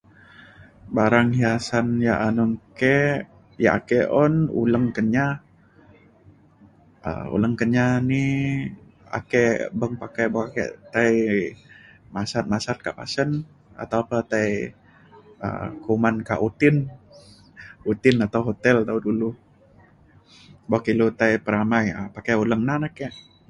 barang hiasan ya' anun ke' ya' ake un uleng kenyah um uleng kenyah ni ake beng pakai bo' ake tai masat-masat ke pasen atau pe tai um kuman ka uten uten atau hotel dau dulu. boka ilu tai peramai um pakai uleng na ne ake.